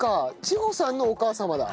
千穂さんのお母様だ。